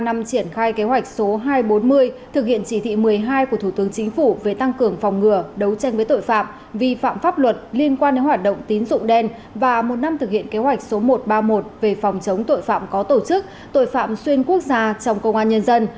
trong triển khai kế hoạch số hai trăm bốn mươi thực hiện chỉ thị một mươi hai của thủ tướng chính phủ về tăng cường phòng ngừa đấu tranh với tội phạm vi phạm pháp luật liên quan đến hoạt động tín dụng đen và một năm thực hiện kế hoạch số một trăm ba mươi một về phòng chống tội phạm có tổ chức tội phạm xuyên quốc gia trong công an nhân dân